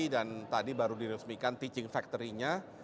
dan tadi baru diresmikan teaching factory nya